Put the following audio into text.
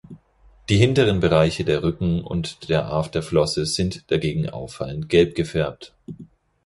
Die hinteren Bereiche der Rücken- und der Afterflosse sind dagegen auffallend gelb gefärbt.